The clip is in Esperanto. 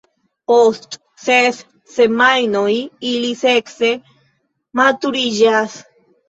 Post ses semajnoj ili sekse maturiĝas.